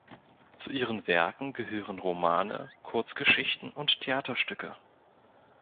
Zu ihren Werken gehören Romane, Kurzgeschichten und Theaterstücke.